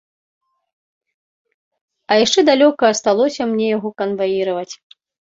А яшчэ далёка асталося мне яго канваіраваць.